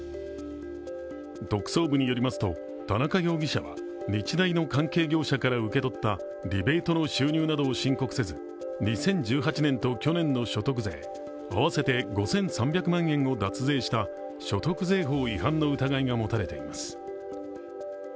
特捜部によりますと田中容疑者は日大の関係業者から受け取ったリベートの収入などを申告せず２０１８年と去年の所得税合わせて５３００万円を脱税した所得税法違反の疑いが持たれています。